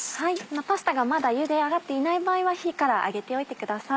パスタがまだゆで上がっていない場合は火から上げておいてください。